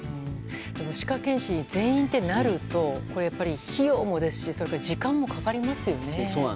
でも歯科検診、全員ってなるとこれやっぱり費用もですし時間もかかりますよね。